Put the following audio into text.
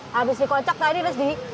habis dikocok tadi terus di